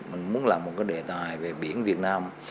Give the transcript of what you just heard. mình muốn làm một cái đề tài về biển việt nam